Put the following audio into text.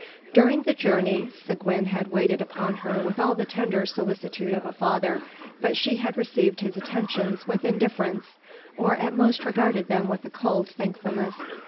During the journey, Seguin had waited upon her with all the tender solicitude of a father; but she had received his attentions with indifference, or at most regarded them with a cold thankfulness.